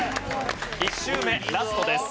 １周目ラストです。